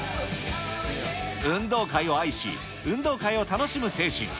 運動会を愛し、運動会を楽しむ精神。